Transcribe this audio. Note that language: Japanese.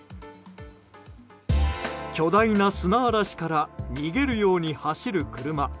巨大な砂嵐から逃げるように走る車。